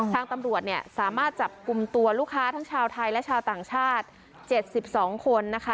ทางตำรวจเนี่ยสามารถจับกลุ่มตัวลูกค้าทั้งชาวไทยและชาวต่างชาติ๗๒คนนะคะ